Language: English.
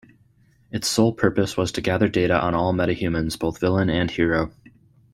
Its sole purpose was to gather data on all metahumans, both villain and hero.